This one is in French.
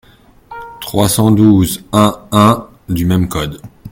trois cent douze-un-un du même code.